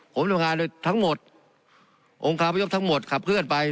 ผมไม่ได้ทำงานด้วยทั้งหมดองค์ความประโยชน์ทั้งหมดขับเคลื่อนไป